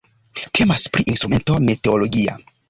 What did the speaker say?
Temas pri instrumento meteologia.